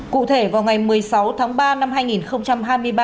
cụ thể vào ngày một mươi sáu tháng ba năm hai nghìn hai mươi ba